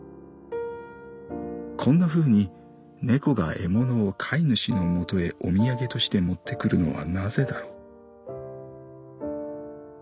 こんなふうに猫が獲物を飼い主のもとへお土産として持ってくるのはなぜだろう」。